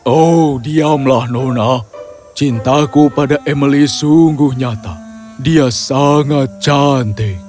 oh diamlah nona cintaku pada emily sungguh nyata dia sangat cantik